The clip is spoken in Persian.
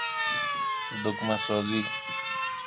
دگمه سازی